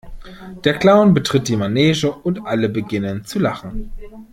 Der Clown betritt die Manege und alle beginnen zu Lachen.